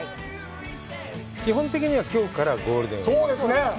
基本的にはきょうからゴールデンウイーク。